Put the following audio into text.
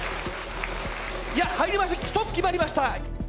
いや入りました１つ決まりました！